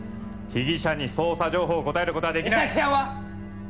被疑者に捜査情報を答えることはできない実咲ちゃんは！？